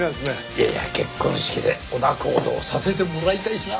いやいや結婚式でお仲人をさせてもらいたいしな。